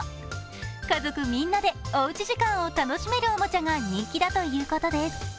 家族みんなでおうち時間を楽しめるおもちゃが人気だということです。